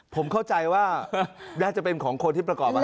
ผมเข้าใจว่าน่าจะเป็นของคนที่ประกอบอะไร